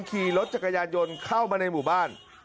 ขี่รถจักรยานยนต์เข้ามาในหมู่บ้าน